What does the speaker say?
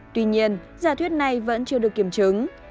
tuy nhiên giả thuyết này vẫn chưa được kiểm chứng